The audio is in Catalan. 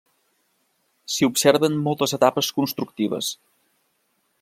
S'hi observen moltes etapes constructives.